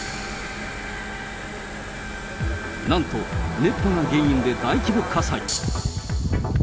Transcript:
なんと、熱波が原因で大規模火災。